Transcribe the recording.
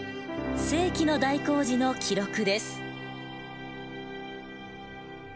世紀の大工事の記録です。